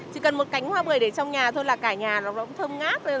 chỉ cần một cánh hoa bưởi để trong nhà thôi là cả nhà nó thơm